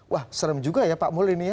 wah serem juga ya pak mul ini ya